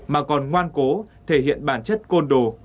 mà còn ngoan cố thể hiện bản chất côn đồ